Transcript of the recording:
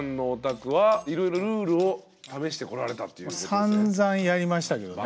さんざんやりましたけどね。